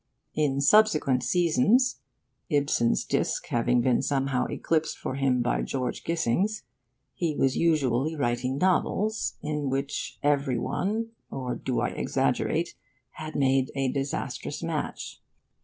In subsequent seasons (Ibsen's disc having been somehow eclipsed for him by George Gissing's) he was usually writing novels in which every one or do I exaggerate? had made a disastrous match.